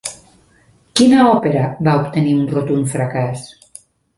Quina òpera va obtenir un rotund fracàs?